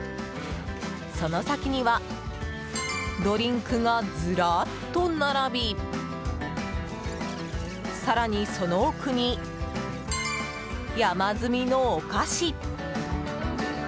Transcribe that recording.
その先にはドリンクがずらっと並び更にその奥に山積みのお菓子。